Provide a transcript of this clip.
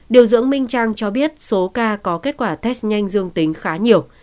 điều dưỡng minh trang cho biết số ca có kết quả test nhanh dương tính khá nhiều